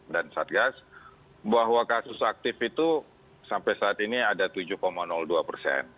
satgas bahwa kasus aktif itu sampai saat ini ada tujuh dua persen